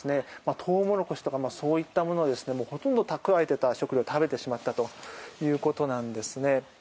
トウモロコシとかそういったものをほとんど、蓄えていた食料を食べてしまったということですね。